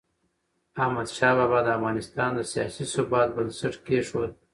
احمدشاه بابا د افغانستان د سیاسي ثبات بنسټ کېښود.